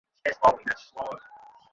নিয়ম তো মানতেই হবে, পিট।